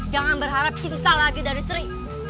jangan berharap cinta lagi dari sri